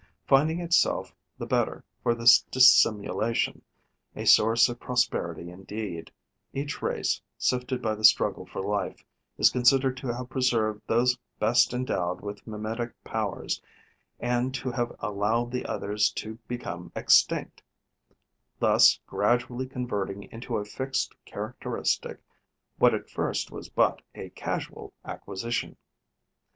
Finding itself the better for this dissimulation, a source of prosperity indeed, each race, sifted by the struggle for life, is considered to have preserved those best endowed with mimetic powers and to have allowed the others to become extinct, thus gradually converting into a fixed characteristic what at first was but a casual acquisition.